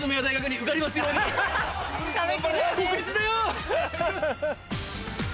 国立だよ！